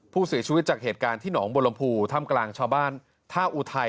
ผู้เสียชีวิตจากเหตุการณ์ที่หนองบรมภูถ้ำกลางชาวบ้านท่าอุทัย